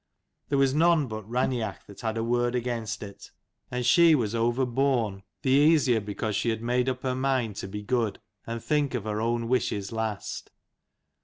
There was none but Raineach that had a word against it ; and she was x 177 overborne the easier because she had made up her mind to be good, and think of her own wishes last.